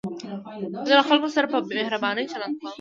زه له خلکو سره په مهربانۍ چلند کوم.